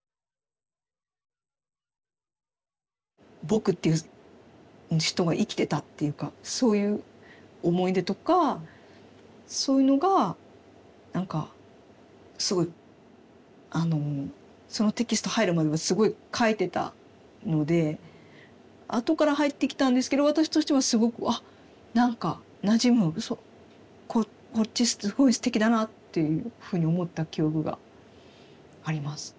「ぼく」っていう人が生きてたっていうかそういう思い出とかそういうのが何かすごいあのそのテキスト入る前すごい描いてたので後から入ってきたんですけど私としてはすごくあっ何かなじむこっちすごいすてきだなっていうふうに思った記憶があります。